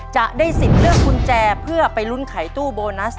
จะได้สินเลือกกุญแจเพื่อไปรุ้นคลายตู้โบนัส